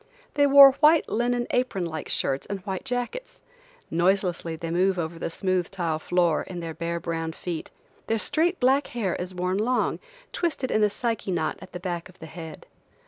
They wore white linen apron like skirts and white jackets. Noiselessly they move over the smooth tile floor, in their bare, brown feet. Their straight black hair is worn long, twisted in a Psyche knot at the back of the head.